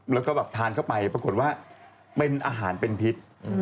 แล้วก็แบบทานเข้าไปปรากฏว่าเป็นอาหารเป็นพิษ